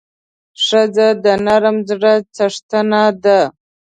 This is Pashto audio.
ښځه د نرم زړه څښتنه ده.